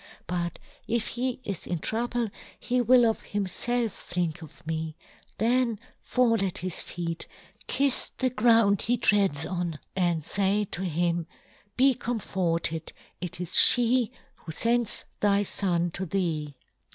But if he is in trouble he will of himfelf think of me ; then fall at his feet, kifs the ground 1 1 8 "John Gutenberg. " he treads on, and fay to him, Be " comforted, it is Jhe who fends thy " fon to thee!'"